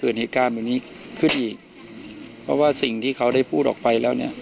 เพราะว่าสิ่งที่เขาได้พูดออกไปแล้วเนี่ย